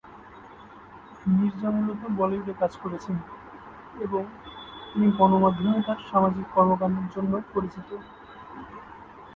মির্জা মূলত বলিউডে কাজ করেছেন এবং তিনি গণমাধ্যমে তার সামাজিক কর্মকান্ডের জন্য পরিচিত।